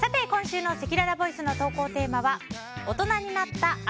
今週のせきららボイスの投稿テーマは大人になった＆